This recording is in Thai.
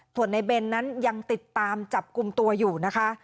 ส่วนในเบนนั้นยังติดตามจับกลุ่มตัวอยู่นะคะ